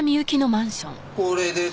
これです。